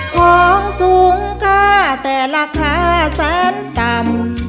ของสูงค่ะแต่ราคาแสนต่ำ